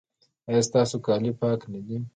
ایا ستاسو کالي پاک نه دي؟